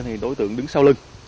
thì đối tượng đứng sau lưng